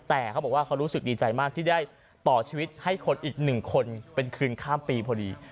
แต่เขาบอกว่าเขารู้สึกดีใจมากที่ได้ต่อชีวิตให้คนอีก๑คนเป็นคืนข้ามปีพอดี